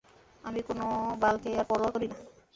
আমি কোনও বালকেই আর পরোয়া করি না!